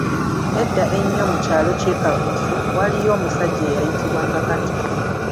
Edda ennyo mu kyaalo kye Kabuusu, waaliyo omusajja eyayitibwa nga Kato.